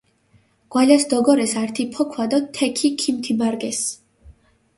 გვალას დოგორეს ართი ფოქვა დო თექი ქიმთიბარგესჷ.